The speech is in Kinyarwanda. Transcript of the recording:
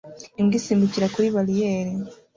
Imbwa isimbukira kuri bariyeri